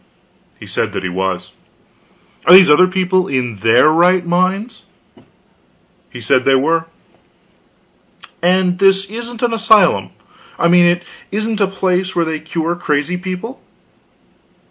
He said he was. "Are these other people in their right minds?" He said they were. "And this isn't an asylum? I mean, it isn't a place where they cure crazy people?"